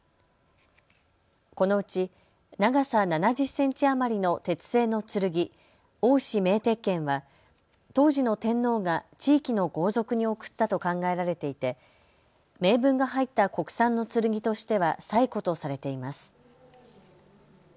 このうち長さ７０センチ余りの鉄製の剣、王賜銘鉄剣は当時の天皇が地域の豪族に贈ったと考えられていて銘文が入った国産の剣としては最古とされています。